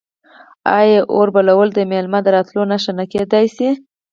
آیا اور بلول د میلمه د راتلو نښه نه کیدی شي؟